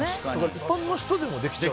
一般の人でもできちゃう。